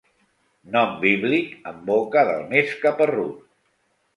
Nom bíblic en boca del més caparrut.